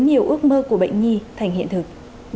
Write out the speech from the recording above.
nhiều ước mơ của bệnh nhi thành hiện thực